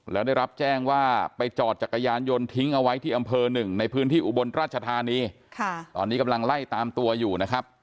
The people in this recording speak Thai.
แล้วได้รับแจ้งว่าไปจอดจักรยานยนต์ทิ้งเอาไว้ที่อำเภอหนึ่งในพื้นที่อุบลราชธานีตอนนี้กำลังไล่ตามตัวอยู่นะครับ